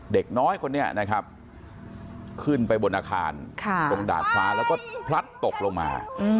เด็กน้อยคนนี้นะครับขึ้นไปบนอาคารตรงดาดฟ้าแล้วก็พลัดตกลงมา